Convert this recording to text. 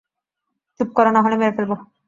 চুপ কর, নাহলে মেরে ফেলবো।